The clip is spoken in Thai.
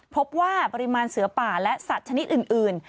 พบว่าปริมาณเสือป่าและสัตว์ชนิดอื่น